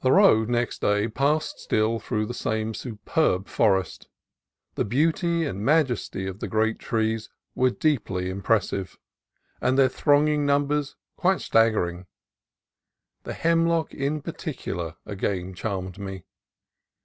The road next day passed still through the same superb forest. The beauty and majesty of the great trees were deeply impressive, and their thronging numbers quite staggering. The hemlock in particu lar again charmed me.